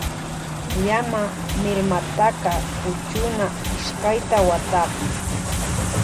Llama milmataka kuchuna ishkayta watapi.